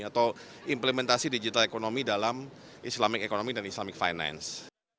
atau implementasi digital ekonomi dalam islamic economy dan islamic finance